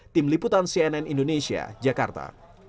tim liputan cnn indonesia jakarta